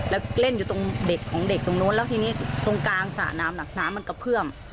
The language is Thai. แล้วเล่นอยู่ตรงเด็กของเด็กตรงนู้นแล้วทีนี้ตรงกลางสระน้ำหนักน้ำมันกระเพื่อม